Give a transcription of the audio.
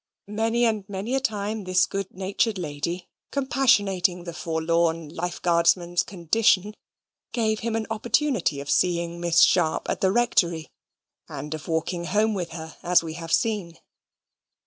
Many and many a time this good natured lady, compassionating the forlorn life guardsman's condition, gave him an opportunity of seeing Miss Sharp at the Rectory, and of walking home with her, as we have seen.